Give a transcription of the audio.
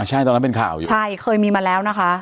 ใช่ตอนนั้นเป็นข่าวอยู่ใช่เคยมีมาแล้วนะคะ